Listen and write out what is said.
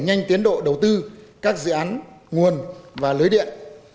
nhanh tiến độ đầu tư các dự án nguồn và lưới điện